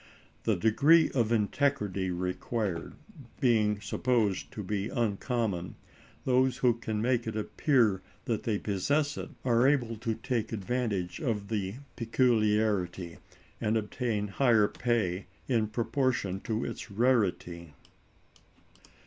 The degree of integrity required being supposed to be uncommon, those who can make it appear that they possess it are able to take advantage of the peculiarity, and obtain higher pay in proportion to its rarity.